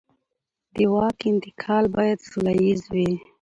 د واک انتقال باید سوله ییز وي